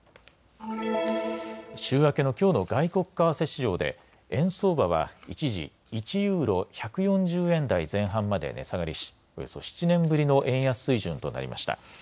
週明けのきょうの外国為替市場で円相場は一時１ユーロ１４０円台前半まで値下がりしおよそ７年ぶりの円安水準となりました。